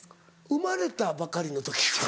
生まれたばかりの時。